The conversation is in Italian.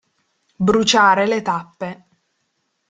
Bruciare le tappe.